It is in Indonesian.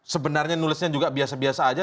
sebenarnya nulisnya juga biasa biasa aja